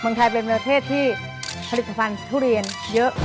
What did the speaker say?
ไทยเป็นประเทศที่ผลิตภัณฑ์ทุเรียนเยอะ